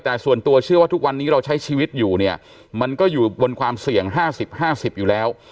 แต่ส่วนตัวเชื่อว่าทุกวันนี้เราใช้ชีวิตอยู่เนี่ยมันก็อยู่บนความเสี่ยง๕๐๕๐อยู่แล้ว